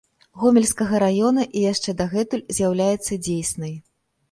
Гомельскага раёна і яшчэ дагэтуль з'яўляецца дзейснай.